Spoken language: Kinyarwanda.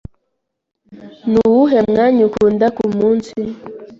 Nuwuhe mwanya ukunda kumunsi?